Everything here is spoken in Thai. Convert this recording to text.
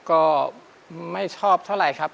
ก็ไม่ชอบเท่าไหร่ครับ